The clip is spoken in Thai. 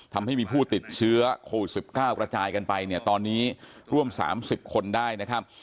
ทำให้มีผู้ติดเชื้อโควิด๑๙กระจายกันไปตอนนี้ร่วม๓๐คนได้